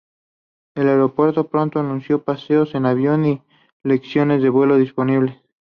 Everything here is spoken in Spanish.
El Aeropuerto pronto anunció paseos en avión y lecciones de vuelo disponibles.